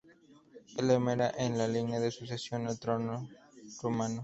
Es la primera en la línea de sucesión al trono rumano.